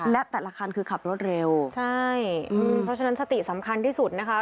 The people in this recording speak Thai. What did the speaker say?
และแต่ละคันคือขับรถเร็วใช่อืมเพราะฉะนั้นสติสำคัญที่สุดนะคะ